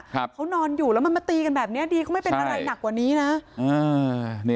เขานอนอยู่แล้วมันมาตีกันแบบเนี้ยดีเขาไม่เป็นอะไรหนักกว่านี้นะอ่านี่